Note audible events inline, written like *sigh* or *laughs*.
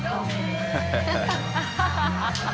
ハハハ *laughs*